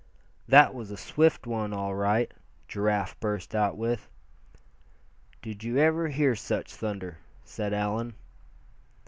"That was a swift one, all right!" Giraffe burst out with. "Did you ever hear such thunder?" said Allan.